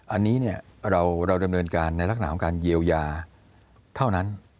อันนี้เราเริ่มเริ่มการในลักหน้าของการเยียวยาเท่านั้น